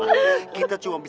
sakit loh bu